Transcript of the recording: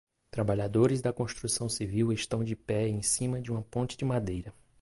Trabalhadores da construção civil estão de pé em cima de uma ponte de madeira.